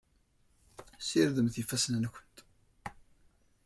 Sirdemt ifassen-nkent.